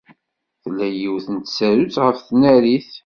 Tella yiwet n tsarut ɣef tnarit.